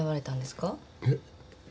えっ？